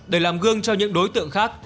để làm gương cho những đối tượng khác